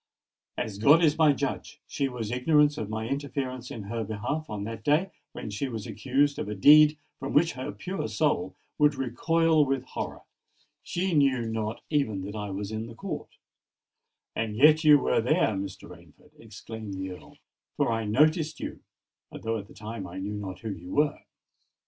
As God is my judge, she was ignorant of my interference in her behalf on that day when she was accused of a deed from which her pure soul would recoil with horror:—she knew not even that I was in the court——" "And yet you were there, Mr. Rainford," exclaimed the Earl: "for I noticed you—although at the time I knew not who you were."